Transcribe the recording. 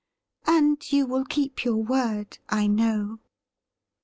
' And you will keep your word, I know.'